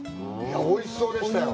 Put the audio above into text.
おいしそうでしたよ。